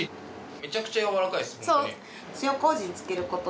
めちゃくちゃやわらかいです。